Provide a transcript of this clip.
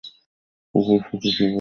কুকুর সুখী কেবল আহারে ও পানে।